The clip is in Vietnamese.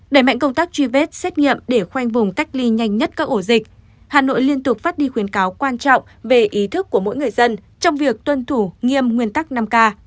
đẩy mạnh công tác truy vết xét nghiệm để khoanh vùng cách ly nhanh nhất các ổ dịch hà nội liên tục phát đi khuyến cáo quan trọng về ý thức của mỗi người dân trong việc tuân thủ nghiêm nguyên tắc năm k